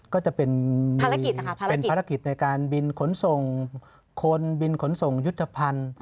ก็จะเป็นภารกิจในการบินขนส่งคนบินขนส่งยุทธภัณฑ์